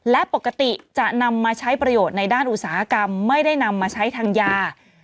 และปกติจะนำมาใช้ประโยชน์ในด้านอุตสาหกรรมไม่ได้นำมาใช้ทางยา